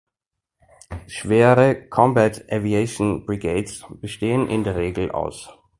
Schwere "Combat Aviation Brigades" bestehen in der Regel aus